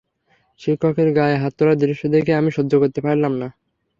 শিক্ষকের গায়ে হাত তোলার দৃশ্য দেখে আমি সহ্য করতে পারলাম না।